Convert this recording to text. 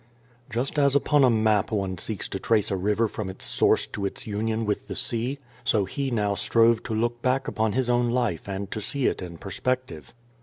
Just as upon a map one seeks to trace a river from its source to its union with the sea, so he now strove to look back upon his own life and to see it in perspective.